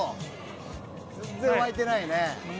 全然沸いてないね。